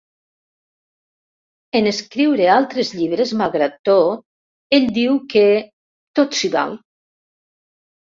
En escriure altres llibres, malgrat tot, ell diu que "Tot s'hi val".